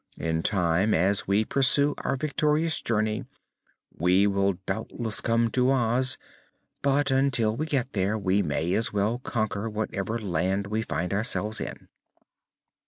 In time, as we pursue our victorious journey, we will doubtless come to Oz; but, until we get there, we may as well conquer whatever land we find ourselves in."